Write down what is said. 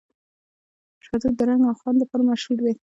شاه توت د رنګ او خوند لپاره مشهور دی.